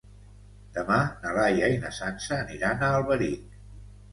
Demà na Laia i na Sança aniran a Alberic.